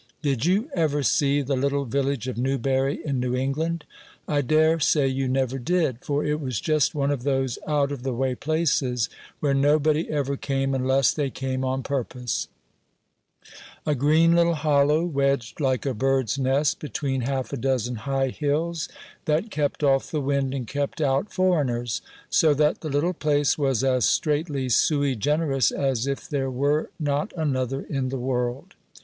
Did you ever see the little village of Newbury, in New England? I dare say you never did; for it was just one of those out of the way places where nobody ever came unless they came on purpose: a green little hollow, wedged like a bird's nest between half a dozen high hills, that kept off the wind and kept out foreigners; so that the little place was as straitly sui generis as if there were not another in the world.